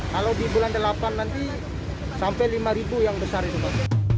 kalau di bulan delapan nanti sampai lima yang besar itu pak